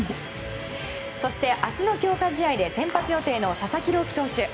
そして明日の強化試合で先発予定の佐々木朗希投手。